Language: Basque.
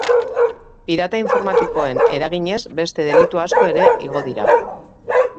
Pirata informatikoen eraginez beste delitu asko ere igo dira.